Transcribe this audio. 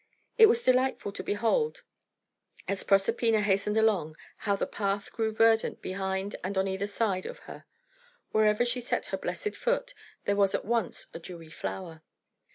It was delightful to behold, as Proserpina hastened along, how the path grew verdant behind and on either side of her. Wherever she set her blessed foot, there was at once a dewy flower.